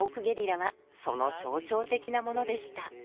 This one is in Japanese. ゲリラはその象徴的なものでした。